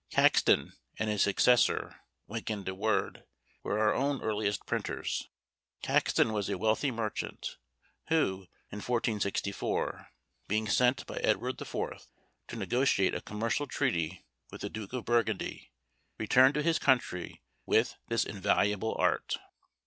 Caxton and his successor Wynkyn de Worde were our own earliest printers. Caxton was a wealthy merchant, who, in 1464, being sent by Edward IV. to negotiate a commercial treaty with the Duke of Burgundy, returned to his country with this invaluable art.